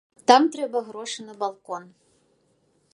Там трэба грошы на балкон.